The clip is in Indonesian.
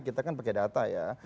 kita kan pakai data ya